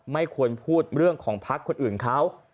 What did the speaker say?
ไม่ควรพูดเรื่องของพักคนอื่นเขา